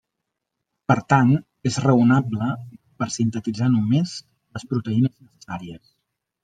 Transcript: Per tant, és raonable per sintetitzar només les proteïnes necessàries.